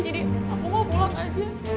jadi aku mau pulang aja